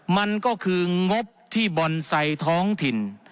มันก็คืองบที่บอนไซต์ท้องถิ่น